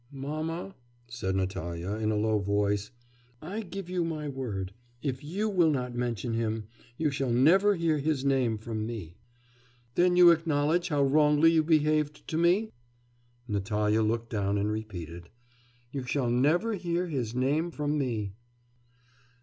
'Mamma!' said Natalya in a low voice, 'I give you my word, if you will not mention him, you shall never hear his name from me.' 'Then you acknowledge how wrongly you behaved to me?' Natalya looked down and repeated: 'You shall never hear his name from me.